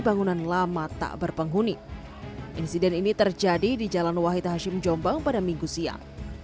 bangunan lama tak berpenghuni insiden ini terjadi di jalan wahid hashim jombang pada minggu siang